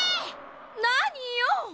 なによ！